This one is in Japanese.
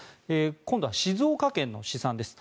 今度は静岡県の試算です。